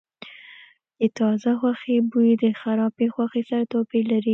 د تازه غوښې بوی د خرابې غوښې سره توپیر لري.